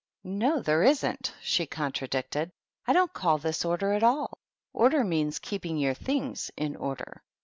" No, there isn't," she contradicted. " I don't call this order at all. Order means keeping your things in order."